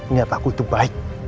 niat aku itu baik